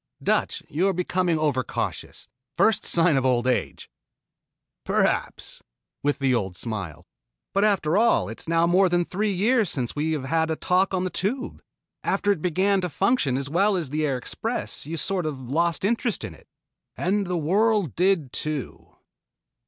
"Dutch, you are becoming over cautious. First sign of old age." "Perhaps," with the old smile. "But after all it is now more than three years since we have had a talk on the Tube. After it began to function as well as the Air Express you sort of lost interest in it." "And the world did too."